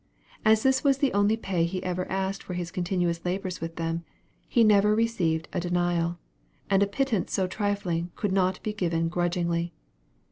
As this was the only pay he ever asked for his continuous labors with them, he never received a denial, and a pittance so trifling could not be given grudgingly.